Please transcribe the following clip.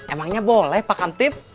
emangnya boleh pak kamtip